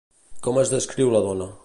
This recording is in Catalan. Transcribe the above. Com es descriu la dona?